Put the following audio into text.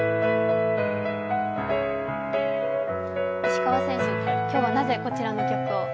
石川選手、今日はなぜ、こちらの曲を？